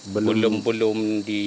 belum belum di